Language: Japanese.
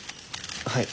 はい。